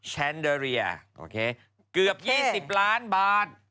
แชนเดอรียเกือบ๒๐ล้านบาท